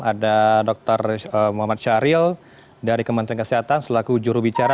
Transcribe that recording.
ada dr muhammad syahril dari kementerian kesehatan selaku jurubicara